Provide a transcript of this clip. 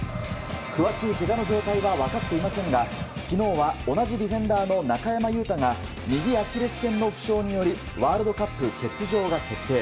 詳しい、けがの状態は分かっていませんが昨日は同じディフェンダーの中山雄太が右アキレスけんの負傷によりワールドカップ欠場が決定。